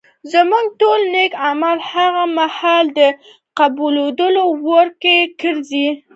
زموږ ټول نېک اعمال هغه مهال د قبلېدو وړ ګرځي